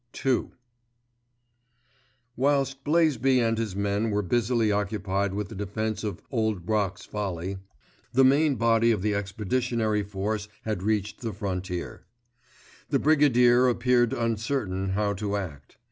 *II* Whilst Blaisby and his men were busily occupied with the defense of "Old Brock's Folly," the main body of the Expeditionary Force had reached the frontier. The Brigadier appeared uncertain how to act.